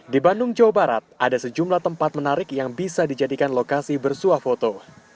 di bandung jawa barat ada sejumlah tempat menarik yang bisa dijadikan lokasi bersuah foto